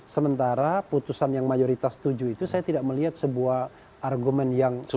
sementara putusan yang mayoritas setuju itu saya tidak melihat sebuah argumen yang cukup